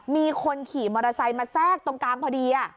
มีคนขี่มอเตอร์ไซค์มาแทรกตรงกลางพอดี